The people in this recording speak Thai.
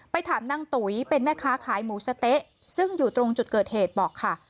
ถามนางตุ๋ยเป็นแม่ค้าขายหมูสะเต๊ะซึ่งอยู่ตรงจุดเกิดเหตุบอกค่ะ